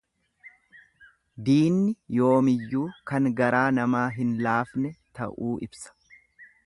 Diinni yoomiyyuu kan garaa namaa hin laafne ta'uu ibsa.